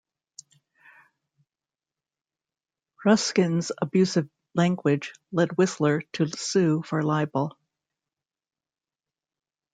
Ruskin's abusive language led Whistler to sue for libel.